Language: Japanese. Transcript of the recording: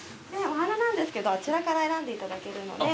お花なんですけどあちらから選んでいただけるので。